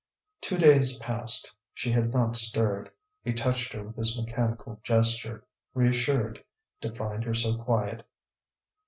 Two days passed; she had not stirred; he touched her with his mechanical gesture, reassured to find her so quiet.